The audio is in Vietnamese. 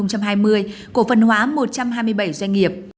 cổ phần hóa một trăm hai mươi bảy doanh nghiệp